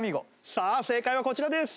さあ正解はこちらです。